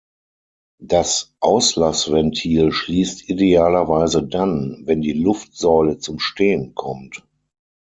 Das Auslassventil schließt idealerweise dann, wenn die Luftsäule zum Stehen kommt.